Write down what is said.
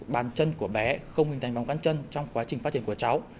bàn chân của bé không hình thành vòng bàn chân trong quá trình phát triển của cháu